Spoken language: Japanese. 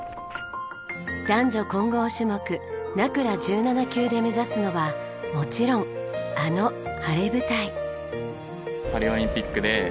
男女混合種目ナクラ１７級で目指すのはもちろんあの晴れ舞台。